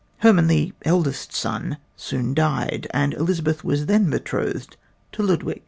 Herman, the eldest son, soon died, and Elizabeth was then betrothed to Ludwig.